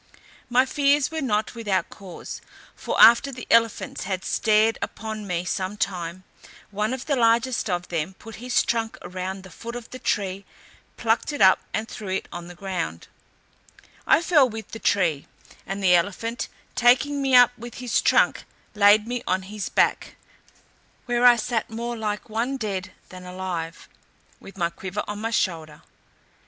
My fears were not without cause; for after the elephants had stared upon me some time, one of the largest of them put his trunk round the foot of the tree, plucked it up, and threw it on the ground; I fell with the tree, and the elephant taking me up with his trunk, laid me on his back, where I sat more like one dead than alive, with my quiver on my shoulder.